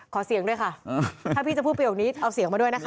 ขอเสียงด้วยค่ะถ้าพี่จะพูดประโยคนี้เอาเสียงมาด้วยนะคะ